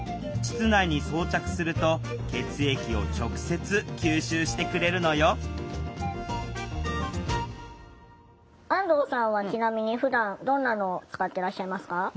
膣内に装着すると血液を直接吸収してくれるのよ安藤さんはちなみにふだんどんなのを使ってらっしゃいますか？